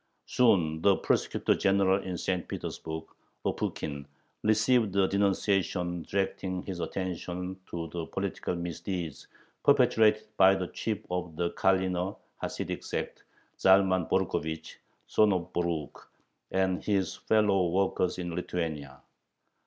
Soon the Prosecutor General in St. Petersburg, Lopukhin, received a denunciation directing his attention "to the political misdeeds perpetrated by the chief of the Karliner [Hasidic] sect, Zalman Borukhovich [son of Borukh]," and his fellow workers in Lithuania.